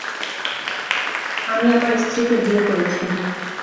আমি আমার স্ত্রীকে বিয়ে করেছি।